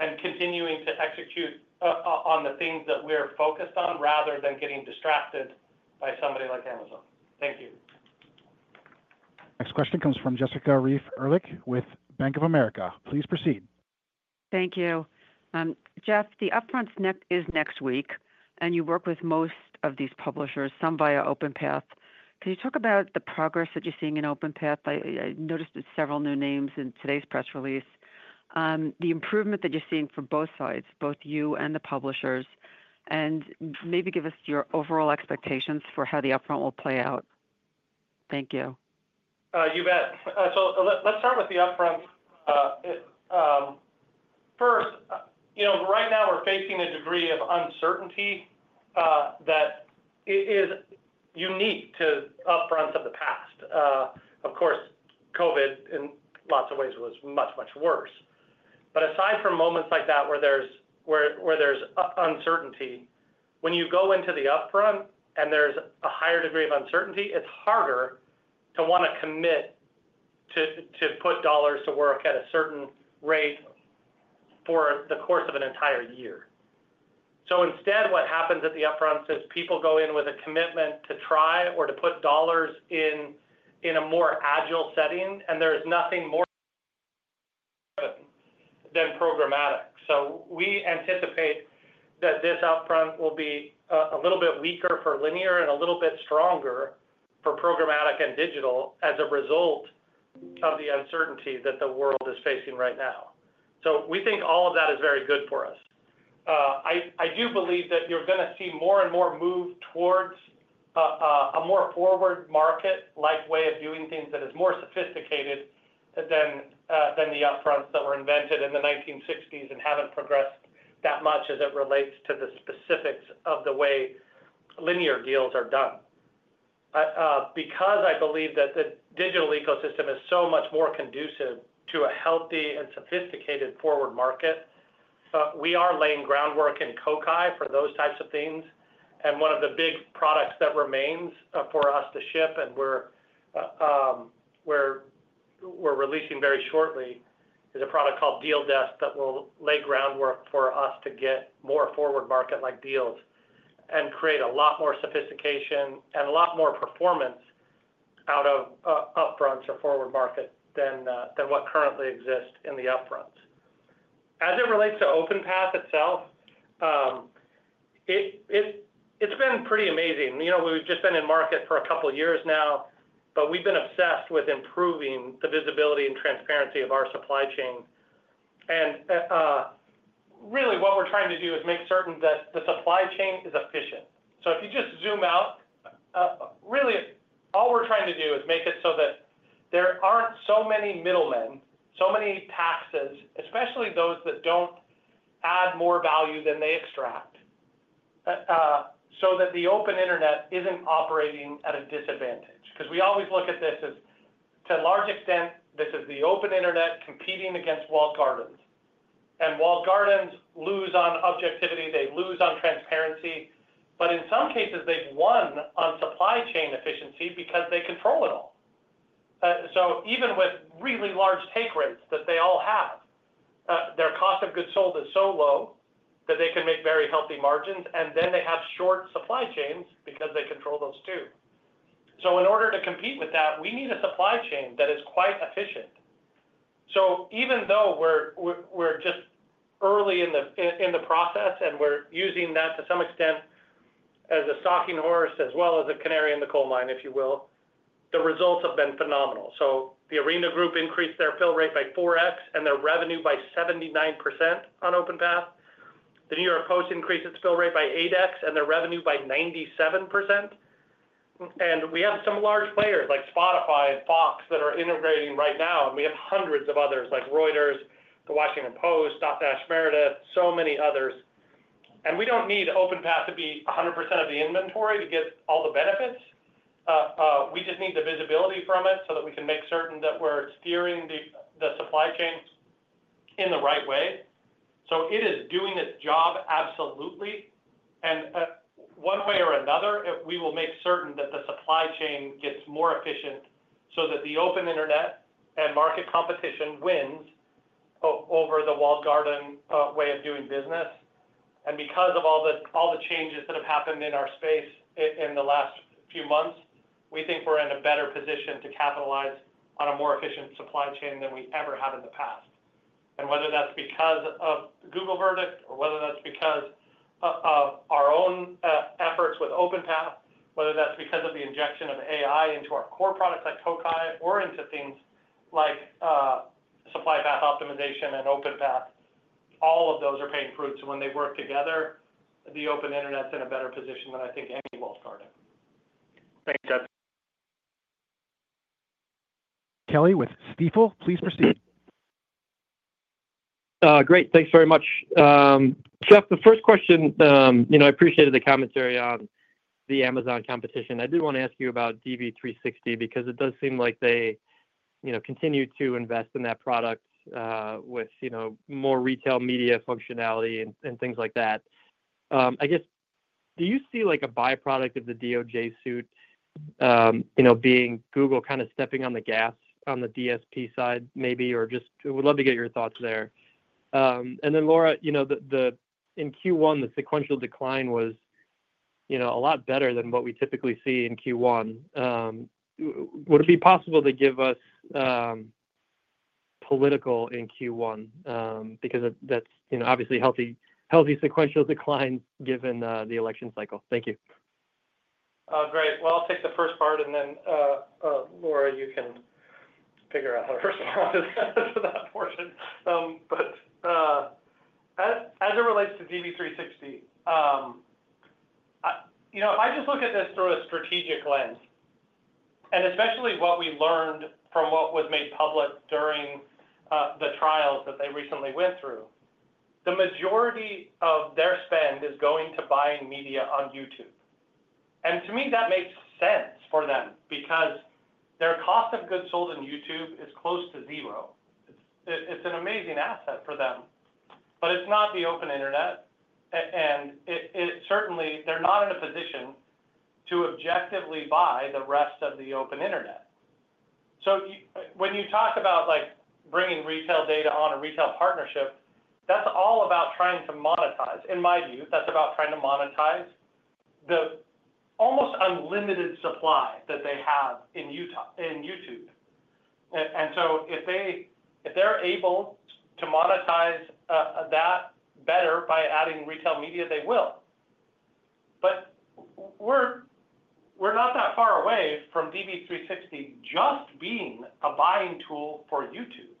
and continuing to execute on the things that we're focused on rather than getting distracted by somebody like Amazon. Thank you.
Next question comes from Jessica Reif Ehrlich with Bank of America. Please proceed.
Thank you. Jeff, the upfront is next week, and you work with most of these publishers, some via OpenPath. Can you talk about the progress that you're seeing in OpenPath? I noticed several new names in today's press release. The improvement that you're seeing from both sides, both you and the publishers, and maybe give us your overall expectations for how the upfront will play out. Thank you.
You bet. So let's start with the upfront. First, right now, we're facing a degree of uncertainty that is unique to upfronts of the past. Of course, COVID, in lots of ways, was much, much worse. But aside from moments like that where there's uncertainty, when you go into the upfront and there's a higher degree of uncertainty, it's harder to want to commit to put dollars to work at a certain rate for the course of an entire year. So instead, what happens at the upfronts is people go in with a commitment to try or to put dollars in a more agile setting, and there is nothing more than programmatic. So we anticipate that this upfront will be a little bit weaker for linear and a little bit stronger for programmatic and digital as a result of the uncertainty that the world is facing right now. So we think all of that is very good for us. I do believe that you're going to see more and more move towards a more forward-market-like way of doing things that is more sophisticated than the upfronts that were invented in the 1960s and haven't progressed that much as it relates to the specifics of the way linear deals are done. Because I believe that the digital ecosystem is so much more conducive to a healthy and sophisticated forward market, we are laying groundwork in Kokai for those types of things. And one of the big products that remains for us to ship and we're releasing very shortly is a product called Deal Desk that will lay groundwork for us to get more forward-market-like deals and create a lot more sophistication and a lot more performance out of upfronts or forward market than what currently exists in the upfronts. As it relates to OpenPath itself, it's been pretty amazing. We've just been in market for a couple of years now, but we've been obsessed with improving the visibility and transparency of our supply chain, and really, what we're trying to do is make certain that the supply chain is efficient, so if you just zoom out, really, all we're trying to do is make it so that there aren't so many middlemen, so many taxes, especially those that don't add more value than they extract, so that the open internet isn't operating at a disadvantage, because we always look at this as, to a large extent, this is the open internet competing against walled gardens, and walled gardens lose on objectivity, they lose on transparency, but in some cases, they've won on supply chain efficiency because they control it all. So even with really large take rates that they all have, their cost of goods sold is so low that they can make very healthy margins, and then they have short supply chains because they control those too. So in order to compete with that, we need a supply chain that is quite efficient. So even though we're just early in the process and we're using that to some extent as a stalking horse as well as a canary in the coal mine, if you will, the results have been phenomenal. So The Arena Group increased their fill rate by 4x and their revenue by 79% on OpenPath. The New York Post increased its fill rate by 8x and their revenue by 97%. And we have some large players like Spotify and Fox that are integrating right now. We have hundreds of others like Reuters, The Washington Post, Dotdash Meredith, so many others. We don't need OpenPath to be 100% of the inventory to get all the benefits. We just need the visibility from it so that we can make certain that we're steering the supply chain in the right way. So it is doing its job absolutely. One way or another, we will make certain that the supply chain gets more efficient so that the open internet and market competition wins over the walled garden way of doing business. Because of all the changes that have happened in our space in the last few months, we think we're in a better position to capitalize on a more efficient supply chain than we ever have in the past. And whether that's because of Google verdict or whether that's because of our own efforts with OpenPath, whether that's because of the injection of AI into our core products like Kokai or into things like supply path optimization and OpenPath, all of those are bearing fruit. So when they work together, the open internet's in a better position than I think any walled garden.
Thanks, Jeff.
Mark Kelley with Stifel, please proceed.
Great. Thanks very much. Jeff, the first question, I appreciated the commentary on the Amazon competition. I did want to ask you about DV360 because it does seem like they continue to invest in that product with more retail media functionality and things like that. I guess, do you see a byproduct of the DOJ suit being Google kind of stepping on the gas on the DSP side maybe? Or just would love to get your thoughts there. Then, Laura, in Q1, the sequential decline was a lot better than what we typically see in Q1. Would it be possible to give us politics in Q1? Because that's obviously healthy sequential declines given the election cycle. Thank you.
Great. I will take the first part, and then, Laura, you can figure out how to respond to that portion, but as it relates to DV360, if I just look at this through a strategic lens, and especially what we learned from what was made public during the trials that they recently went through, the majority of their spend is going to buying media on YouTube, and to me, that makes sense for them because their cost of goods sold on YouTube is close to zero. It's an amazing asset for them, but it's not the open internet. Certainly, they're not in a position to objectively buy the rest of the open internet. When you talk about bringing retail data on a retail partnership, that's all about trying to monetize. In my view, that's about trying to monetize the almost unlimited supply that they have in YouTube. If they're able to monetize that better by adding retail media, they will. We're not that far away from DV360 just being a buying tool for YouTube.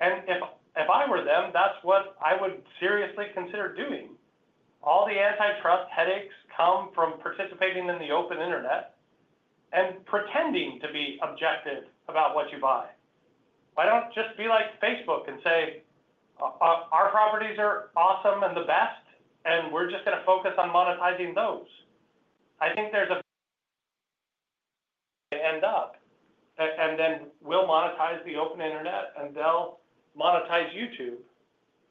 If I were them, that's what I would seriously consider doing. All the antitrust headaches come from participating in the open internet and pretending to be objective about what you buy. Why don't you just be like Facebook and say, "Our properties are awesome and the best, and we're just going to focus on monetizing those?" I think they're going to end up. And then we'll monetize the open internet, and they'll monetize YouTube.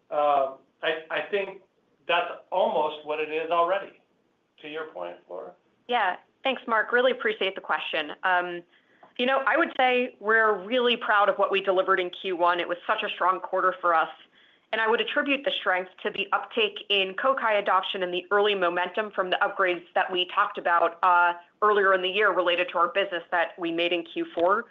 I think that's almost what it is already. To your point, Laura?
Yeah. Thanks, Mark. Really appreciate the question. I would say we're really proud of what we delivered in Q1. It was such a strong quarter for us. And I would attribute the strength to the uptake in Kokai adoption and the early momentum from the upgrades that we talked about earlier in the year related to our business that we made in Q4.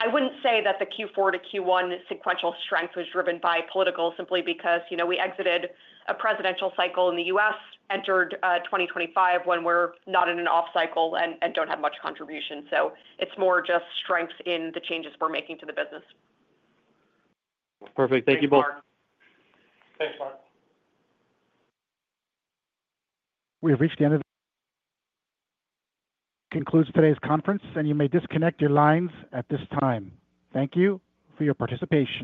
I wouldn't say that the Q4 to Q1 sequential strength was driven by political simply because we exited a presidential cycle in the U.S., entered 2025 when we're not in an off-cycle and don't have much contribution. So it's more just strength in the changes we're making to the business.
Perfect. Thank you both.
Thanks, Mark.
We have reached the end of the conference, and you may disconnect your lines at this time. Thank you for your participation.